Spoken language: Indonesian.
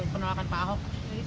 penolakan pak ahok